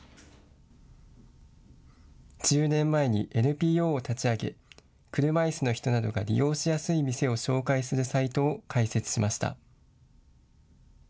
１０年前にＮＰＯを立ち上げ車いすの人などが利用しやすい店を紹介するサイトを開設しました。